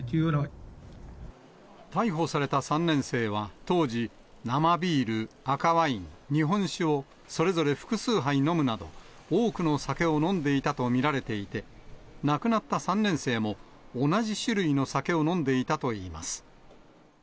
逮捕された３年生は、当時、生ビール、赤ワイン、日本酒をそれぞれ複数杯飲むなど、多くの酒を飲んでいたと見られていて、亡くなった３年生も、同じ種類の酒を飲んでいたといいます。